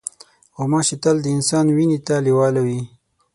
غوماشې تل د انسان وینې ته لیواله وي.